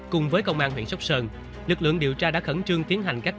cùng với công an huyện sóc sơn lực lượng điều tra đã khẩn trương tiến hành các